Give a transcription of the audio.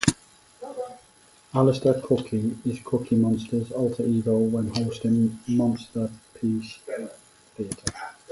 Alistair Cookie is Cookie Monster's alter ego when hosting Monsterpiece Theater.